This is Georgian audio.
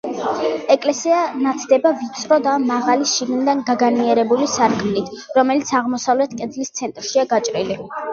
ეკლესია ნათდება ვიწრო და მაღალი, შიგნიდან გაგანიერებული სარკმლით, რომელიც აღმოსავლეთ კედლის ცენტრშია გაჭრილი.